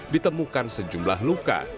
ditemukan sejumlah luka